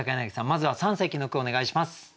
まずは三席の句をお願いします。